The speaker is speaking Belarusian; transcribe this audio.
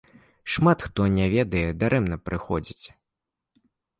Шмат хто не ведае, дарэмна прыходзяць!